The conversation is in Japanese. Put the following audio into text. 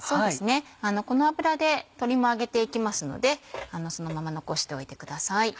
この油で鶏も揚げていきますのでそのまま残しておいてください。